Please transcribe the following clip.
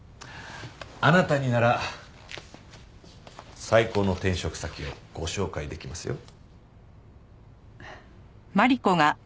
あなたになら最高の転職先をご紹介できますよ。